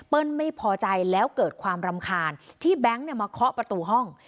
ไม่พอใจแล้วเกิดความรำคาญที่แบงค์เนี่ยมาเคาะประตูห้อง